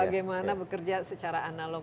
bagaimana bekerja secara analog